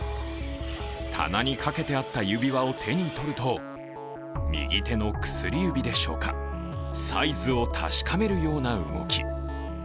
棚にかけてあった指輪を手に取ると右手の薬指でしょうか、サイズを確かめるような動き。